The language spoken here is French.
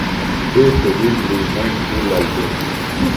Il produit lui-même tout l'album.